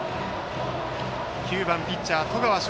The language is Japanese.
９番ピッチャー、十川奨